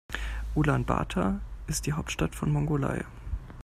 Ulaanbaatar ist die Hauptstadt von Mongolei.